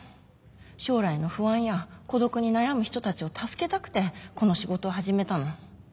将来の不安や孤独に悩む人たちを助けたくてこの仕事を始めたの。